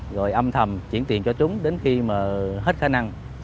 rồi âm thầm chuyển tiền cho chúng đến khi mà hết khả năng